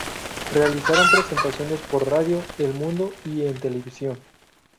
Realizaron presentaciones por Radio El Mundo y en televisión.